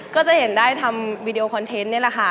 ก็จะเห็นได้ทำวีดีโอคอนเทนต์นี่แหละค่ะ